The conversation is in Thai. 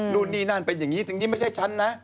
นู่นนี่นั่นเป็นอย่างนี้ถึงนี่ไม่ใช่ฉันนะ